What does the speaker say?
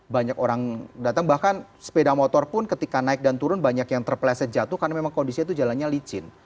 banyak orang datang bahkan sepeda motor pun ketika naik dan turun banyak yang terpleset jatuh karena memang kondisinya itu jalannya licin